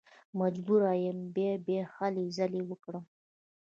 مجبوره یم بیا او بیا هلې ځلې وکړم.